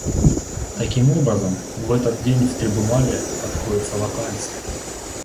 Таким образом, в этот день в Трибунале откроется вакансия.